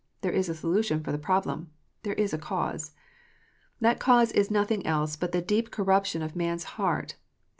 There is a solution for the problem. There is a cause. That cause is nothing else but the deep corruption of man s heart.